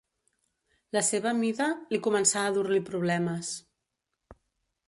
La seva mida li començà a dur-li problemes.